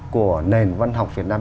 của nền văn học việt nam